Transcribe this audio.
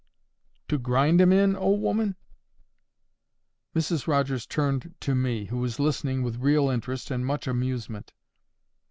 "To grind 'em in, old 'oman?" Mrs Rogers turned to me, who was listening with real interest, and much amusement.